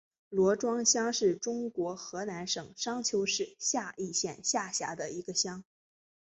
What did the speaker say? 罗庄乡是中国河南省商丘市夏邑县下辖的一个乡。